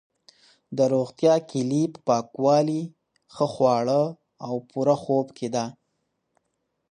د روغتیا کلي په پاکوالي، ښه خواړه او پوره خوب کې ده.